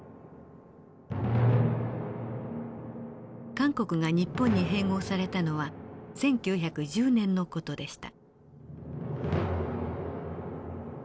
韓国が日本に併合されたのは１９１０年の事でした。